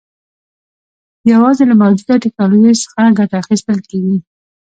یوازې له موجوده ټکنالوژۍ څخه ګټه اخیستل کېږي.